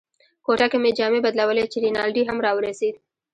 کوټه کې مې جامې بدلولې چې رینالډي هم را ورسېد.